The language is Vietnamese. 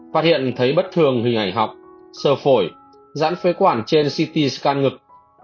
phát hiện thấy bất thường hình ảnh học sơ phổi giãn phế quản trên ct scan ngực